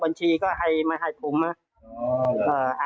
ถ้าไม่มีกินยังไงก็ต้องมาเมืองไทยอีกนั่นแหละ